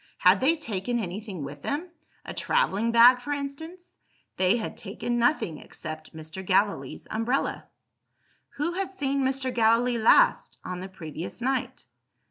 Had they taken anything with them a travelling bag for instance? They had taken nothing, except Mr. Gallilee's umbrella. Who had seen Mr. Gallilee last, on the previous night?